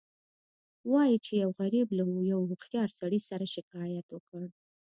وایي چې یو غریب له یو هوښیار سړي سره شکایت وکړ.